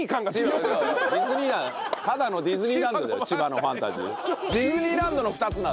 ただのディズニーランドだよ千葉のファンタジー。